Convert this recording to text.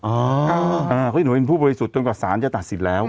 เขายังถือเป็นผู้บริสุทธิ์จนกว่าศาลจะตัดสินแล้ว